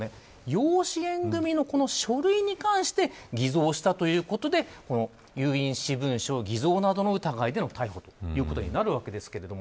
養子縁組の書類に関して偽造したということで有印私文書偽造などの疑いでの逮捕ということになります。